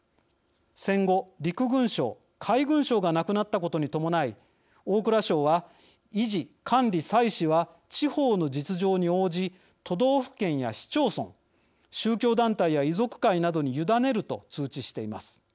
戦後、陸軍省・海軍省がなくなったことに伴い大蔵省は「維持・管理・祭しは地方の実情に応じ都道府県や市町村宗教団体や遺族会などに委ねる」と通知しています。